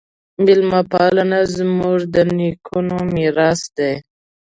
میلمه پالنه زموږ د نیکونو میراث دی.